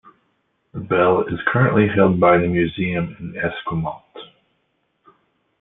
The bell is currently held by the museum in Esquimalt.